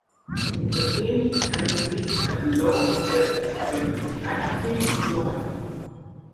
The Inn had been at a low ebb when Atkin joined.